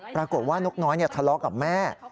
ปรากฏว่านกน้อยทะเลาะกับแม่